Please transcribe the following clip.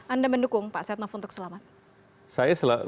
anda mendukung pak setnov untuk selamat